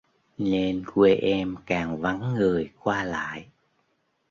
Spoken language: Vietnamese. nên quê em càng vắng người qua lại